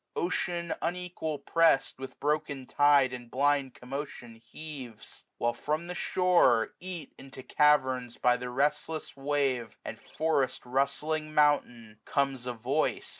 Qcean, unequal pressed, with broken tide And blind commotion heaves; while from the shore. Eat into caverns by the restless wave, 1501 And forest rustling mountain, comes a voice.